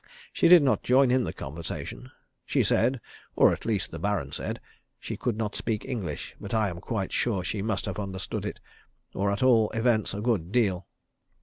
She did not join in the conversation. She said or at least the Baron said she could not speak English, but I am quite sure she must have understood it, or at all events a good deal.